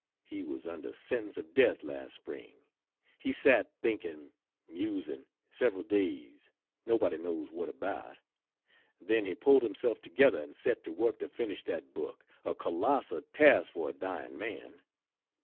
He was under, sentence of death last spring; he sat thinking, musing, several days nobody knows what about; then he pulled himself together and set to work to finish that book, a colossal task for a dying man.